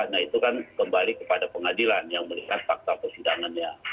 nah itu kan kembali kepada pengadilan yang melihat fakta persidangannya